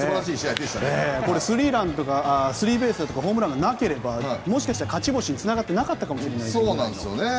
スリーランとかスリーベースがなければもしかしたら勝ち星につながってなかったかもしれない。